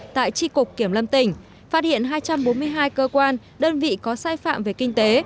tại tri cục kiểm lâm tỉnh phát hiện hai trăm bốn mươi hai cơ quan đơn vị có sai phạm về kinh tế